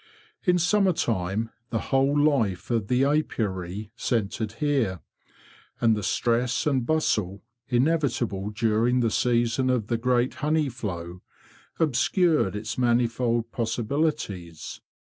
In summer time the whole life of the apiary centred here; and the stress and bustle, inevitable during the séason of the great honey flow, obscured its manifold possi bilities.